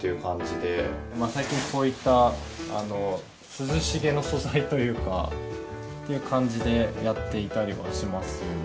最近こういった涼しげな素材というかっていう感じでやっていたりはしますね。